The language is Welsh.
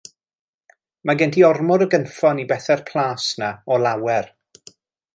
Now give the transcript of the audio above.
Mae gen ti ormod o gynffon i bethe'r Plas 'na o lawer.